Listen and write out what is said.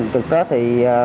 từ tết thì